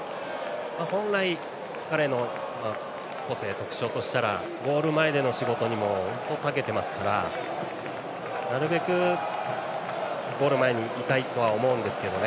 本来、彼の個性特徴としたらゴール前での仕事にもたけてますからなるべく、ゴール前にいたいとは思いますけどね。